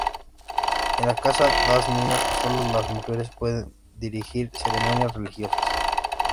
En la Casa das Minas, solo las mujeres pueden dirigir ceremonias religiosas.